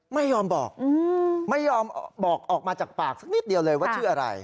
ไม่ยอมบอกไม่ยอมบอกออกมาจากปากสักนิดเดียวเลยว่าชื่ออะไร